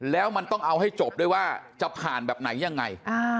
แล้วมันต้องเอาให้จบด้วยว่าจะผ่านแบบไหนยังไง